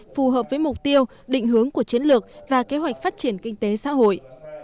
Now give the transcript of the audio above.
phù hợp với mục tiêu định hướng của chiến lược và kế hoạch phát triển kinh tế xã hội